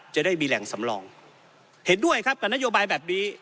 จะได้มีแหล่งสำรองเห็นด้วยครับกับนโยบายแบบนี้